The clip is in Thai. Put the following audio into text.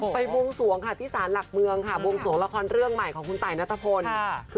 ไปวงสวงที่สารหลักเมืองวงสวงราคาเรื่องใหม่ของคุณไตนาทธพนธ์